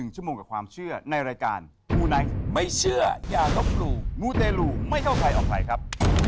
ชั่วโมงกับความเชื่อในรายการมูไนท์ไม่เชื่ออย่าลบหลู่มูเตลูไม่เข้าใครออกใครครับ